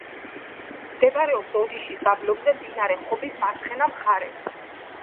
მდებარეობს ოდიშის დაბლობზე, მდინარე ხობის მარცხენა მხარეს.